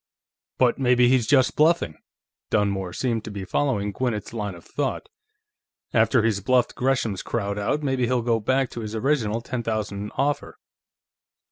"But maybe he's just bluffing." Dunmore seemed to be following Gwinnett's line of thought. "After he's bluffed Gresham's crowd out, maybe he'll go back to his original ten thousand offer."